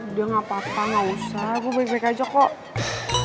udah gapapa gak usah gue balik balik aja kok